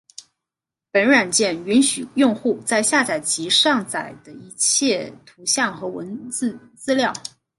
本软件允许用户在下载其上载的一切图像和文字资料。